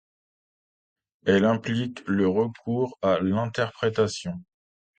Elle implique le recours à l'interprétation.